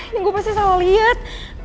ini gua pasti salah liat